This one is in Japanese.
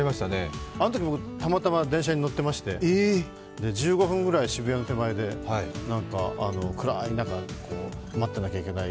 あのとき僕、たまたま電車に乗ってまして、１５分ぐらい渋谷の手前で暗い中待っていなければいけない。